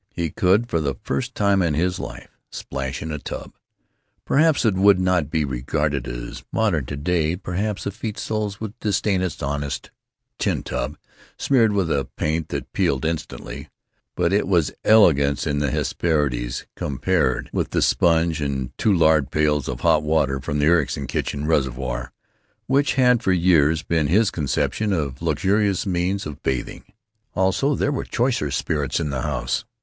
He could, for the first time in his life, splash in a tub. Perhaps it would not be regarded as modern to day; perhaps effete souls would disdain its honest tin tub, smeared with a paint that peeled instantly; but it was elegance and the Hesperides compared with the sponge and two lard pails of hot water from the Ericson kitchen reservoir, which had for years been his conception of luxurious means of bathing. Also, there were choicer spirits in the house.